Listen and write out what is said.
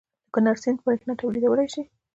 د کنړ سیند بریښنا تولیدولی شي؟